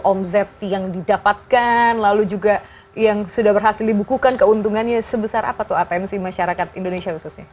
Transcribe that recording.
omzet yang didapatkan lalu juga yang sudah berhasil dibukukan keuntungannya sebesar apa tuh atensi masyarakat indonesia khususnya